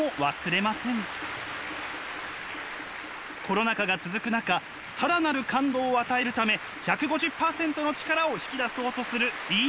コロナ禍が続く中更なる感動を与えるため１５０％の力を引き出そうとする飯森さんの挑戦は続きます。